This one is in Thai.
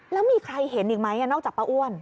แล้วมีใครเห็นอีกไหมนอกจากป้าอ้วน